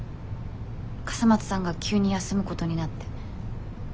笠松さんが急に休むことになって。